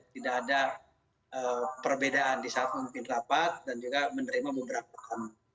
tidak ada perbedaan di saat memimpin rapat dan juga menerima beberapa hal